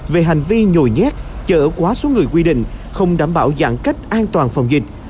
về hành vi nhồi nhét chở quá số người quy định không đảm bảo giãn cách an toàn phòng dịch